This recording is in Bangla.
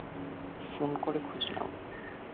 ফোন করে খোঁজ নাও।